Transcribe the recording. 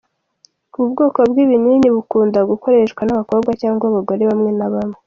Ubu bwoko bw’ibinini bukunda gukoreshwa n’abakobwa cyangwa abagore bamwe na bamwe.